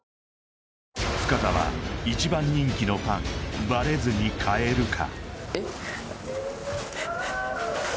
深澤一番人気のパンバレずに買えるか？